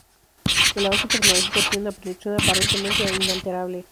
El avance tecnológico tiene una proyección aparentemente inalterable.